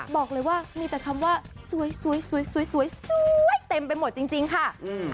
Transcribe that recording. บอกเลยว่ามีแต่คำว่าสวยสวยสวยเต็มไปหมดจริงค่ะอืม